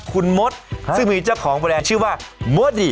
คุณมดซึ่งมีเจ้าของแบรนด์ชื่อว่าโมดี